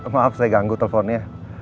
maaf saya ganggu telfonnya